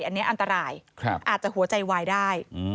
อันนี้อันตรายอาจจะหัวใจวายได้